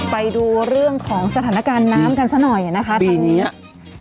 ไปดูเรื่องของสถานการณ์น้ำกันสักหน่อยนะคะ